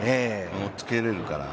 おっつけられるから。